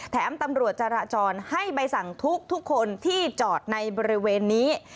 ตำรวจจราจรให้ใบสั่งทุกคนที่จอดในบริเวณนี้